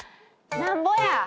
なんぼや！